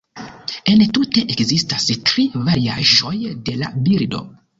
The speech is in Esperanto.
Entute ekzistas tri variaĵoj de la bildo.